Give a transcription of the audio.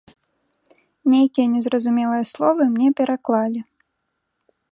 Нейкія незразумелыя словы мне пераклалі.